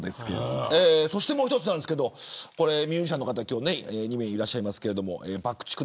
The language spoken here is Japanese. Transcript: そして、もう一つですがミュージシャンの方２名いらっしゃいますがＢＵＣＫ